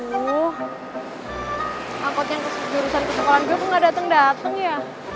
angkotnya jurusan ke sekolah gue kok gak dateng dateng ya